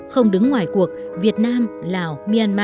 không đứng ngoài cuộc việt nam lào myanmar